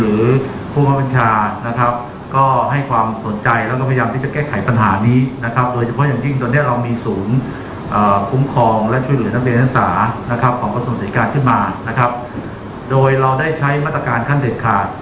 หรือผู้บังคับบัญชานะครับก็ให้ความสนใจแล้วก็พยายามที่จะแก้ไขปัญหานี้นะครับโดยเฉพาะอย่างยิ่งตอนนี้เรามีศูนย์คุ้มครองและช่วยเหลือนักเรียนนักศึกษานะครับของกระทรวงดิการขึ้นมานะครับโดยเราได้ใช้มาตรการขั้นเด็ดขาด